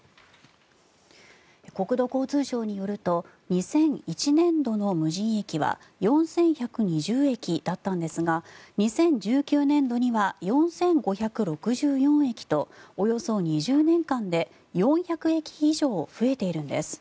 国土交通省によると２００１年度の無人駅は４１２０駅だったんですが２０１９年度には４５６４駅とおよそ２０年間で４００駅以上増えているんです。